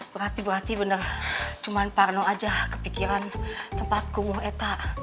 berarti berarti bener cuman parno aja kepikiran tempat kumuh eta